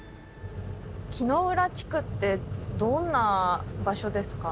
木ノ浦地区ってどんな場所ですか？